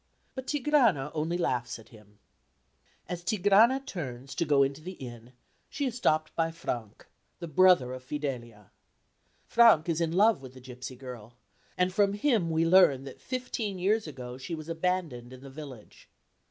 But Tigrana only laughs at him. As Tigrana turns to go into the inn she is stopped by Frank, the brother of Fidelia. Frank is in love with the gipsy girl, and from him we learn that fifteen years ago she was abandoned in the village.